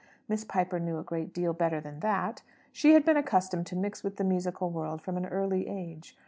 Miss Piper knew a great deal better than that. She had been accustomed to mix with the musical world from an early age.